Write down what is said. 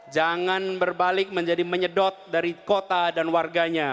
jangan berbalik menjadi menyedot dari kota dan warganya